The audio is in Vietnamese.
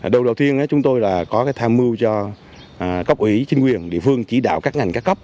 đầu đầu tiên chúng tôi là có tham mưu cho cấp ủy chính quyền địa phương chỉ đạo các ngành các cấp